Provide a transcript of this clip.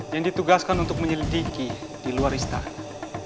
yang ditugaskan untuk menyelidiki di luar istana